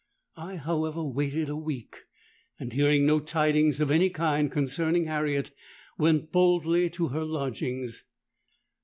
I however waited a week; and, hearing no tidings of any kind concerning Harriet, went boldly to her lodgings.